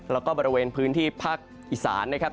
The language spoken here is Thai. แล้วก็บริเวณพื้นที่ภาคอีสานนะครับ